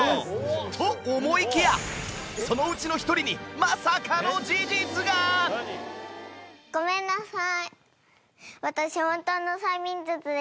と思いきやそのうちの１人にまさかの事実がごめんなさい。